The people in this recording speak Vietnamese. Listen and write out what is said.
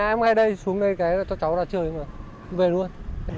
em ngay đây xuống đây cái cho cháu ra chơi mà về luôn